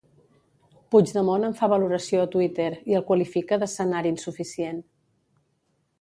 Puigdemont en fa valoració a Twitter i el qualifica d'escenari insuficient.